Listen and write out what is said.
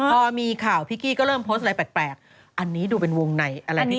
พอมีข่าวพี่กี้ก้าล่มโพสต์แปลกอันนี้ดูเป็นวงไหน